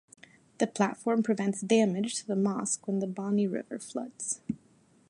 The platform prevents damage to the mosque when the Bani River floods.